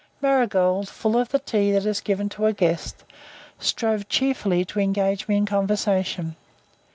Marigold, full of the tea that is given to a guest, strove cheerfully to engage me in conversation.